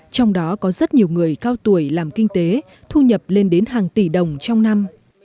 trong đó có rất nhiều người cao tuổi làm kinh tế thu nhập lên đến hàng tỷ đồng trong năm